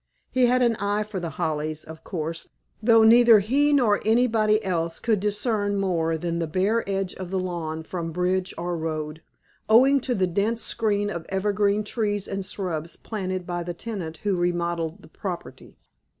He had an eye for The Hollies, of course, though neither he nor anybody else could discern more than the bare edge of the lawn from bridge or road, owing to the dense screen of evergreen trees and shrubs planted by the tenant who remodeled the property.